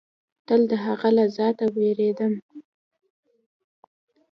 تل د هغه له ذاته وېرېدم.